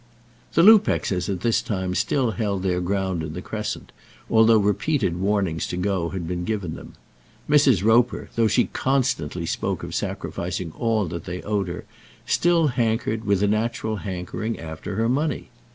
The Lupexes at this time still held their ground in the Crescent, although repeated warnings to go had been given them. Mrs. Roper, though she constantly spoke of sacrificing all that they owed her, still hankered, with a natural hankering, after her money.